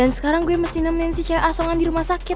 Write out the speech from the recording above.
sekarang gue mesti nemenin sia asongan di rumah sakit